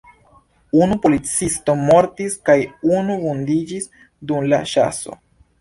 Unu policisto mortis kaj unu vundiĝis dum la ĉaso.